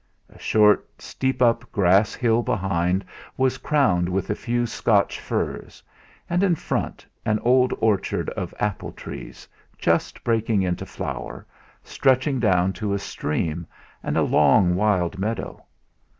A short steep up grass hill behind was crowned with a few Scotch firs, and in front, an old orchard of apple trees, just breaking into flower, stretched down to a stream and a long wild meadow.